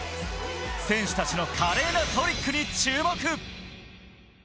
選手達の華麗なトリックに注目。